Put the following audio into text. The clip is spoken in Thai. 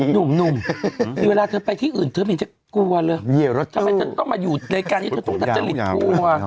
หนุ่มหนุ่มมีเวลาเธอไปที่อื่นเธอไม่จะกลัวเลยไม่จะต้องมาอยู่ในการที่เธอต้องทันเจลิตกลัว